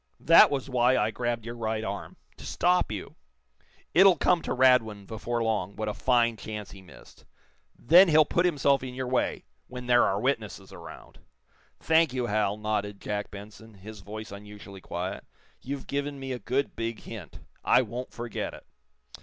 That was why I grabbed your right arm to stop you. It'll come to Radwin before long, what a fine chance he missed. Then he'll put himself in your way when there are witnesses around." "Thank you, Hal," nodded Jack Benson, his voice unusually quiet. "You've given me a good, big hint. I won't forget it.